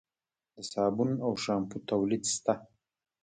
د صابون او شامپو تولید شته؟